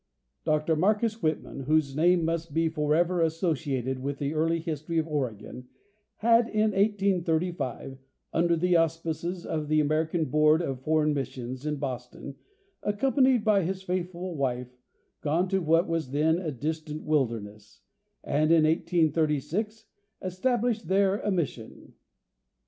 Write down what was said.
Dr Marcus Whitman, whose name must be forever associated with the early history of Ore gon, had in 1835, under the auspices of the American board of foreign missions in Boston, accompanied by his faithful wife, gone to what was then a distant wilderness, and in 1836 established there a mission.